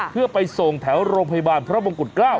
เพื่อไปส่งแถวโรงพยาบาลพระมงกุฎเกล้า